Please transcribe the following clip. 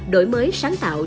đổi mới sáng tạo